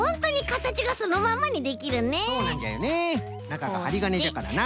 なかがはりがねじゃからな。